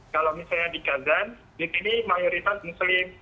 kalau misalnya di kazan disini mayoritas muslim